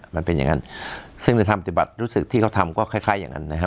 มันเป็นอย่างนั้นซึ่งในธรรมปฏิบัติรู้สึกที่เขาทำก็คล้ายคล้ายอย่างนั้นนะฮะ